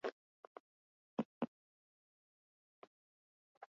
Txostena bi zatitan banatu dute.